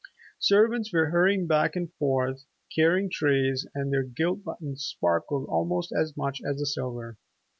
Servants were hurrying back and forth carrying trays and their gilt buttons sparkled almost as much as the silver.